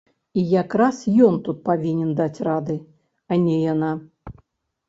І якраз ён тут павінен даць рады, а не яна.